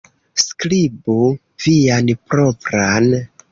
Skribu vian propran